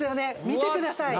見てください